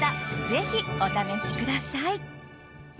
ぜひお試しください。